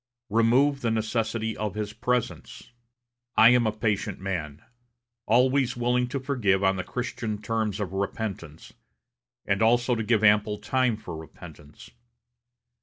Remove the necessity of his presence.... I am a patient man always willing to forgive on the Christian terms of repentance, and also to give ample time for repentance.